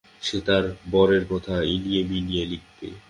সে তার বরের কথা ইনিয়ে-বিনিয়ে লিখবে।